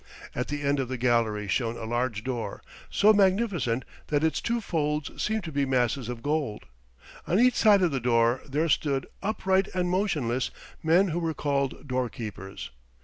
At the end of the gallery shone a large door, so magnificent that its two folds seemed to be masses of gold. On each side of the door there stood, upright and motionless, men who were called doorkeepers.